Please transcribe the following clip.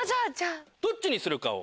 どっちにするかを。